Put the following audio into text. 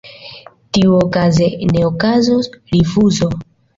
Tiuokaze ne okazos rifuzo.